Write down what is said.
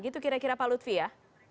gitu kira kira pak lutfi ya